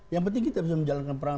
yang penting kita bisa menjalankan peran